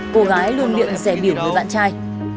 cô gái luôn luyện rè biểu với bạn trai